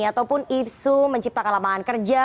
ataupun isu menciptakan lapangan kerja